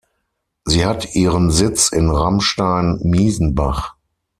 Sie hat ihren Sitz in Ramstein-Miesenbach.